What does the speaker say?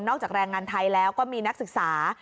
จากแรงงานไทยแล้วก็มีนักศึกษา